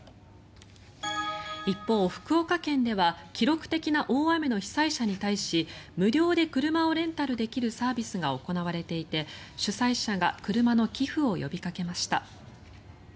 一方、福岡県では記録的な大雨の被災者に対し無料で車をレンタルできるサービスが行われていて主催者が車の寄付を呼びかけました。